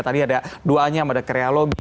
tadi ada dua nya yang ada kreologi